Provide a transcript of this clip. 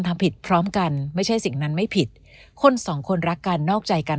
ทำผิดพร้อมกันไม่ใช่สิ่งนั้นไม่ผิดคนสองคนรักกันนอกใจกัน